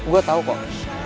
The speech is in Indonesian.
gua tau kok